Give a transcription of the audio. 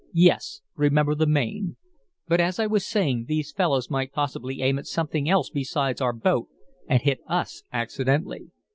"Yes, remember the Maine! But, as I was saying, these fellows might possibly aim at something else beside our boat and hit us accidentally.